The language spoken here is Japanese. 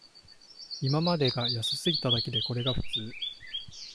今までが安すぎただけで、これが普通